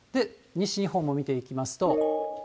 西日本も見ていきますと。